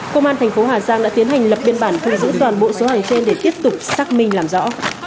công an thành phố hà giang đã tiến hành lập biên bản thu giữ toàn bộ số hàng trên để tiếp tục xác minh làm rõ